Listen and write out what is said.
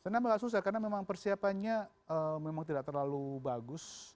kenapa nggak susah karena memang persiapannya memang tidak terlalu bagus